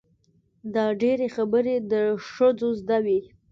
دا ډېرې خبرې د ښځو زده وي.